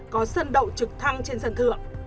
có sân đậu trực thăng trên sân thượng